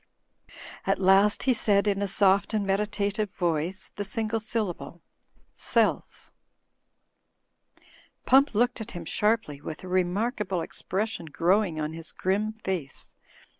At last he said, in a soft and meditative voice, the single syllable, "Sells!" Pump looked at him sharply with a remarkable ex pression growing on his grim face.